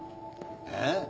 えっ？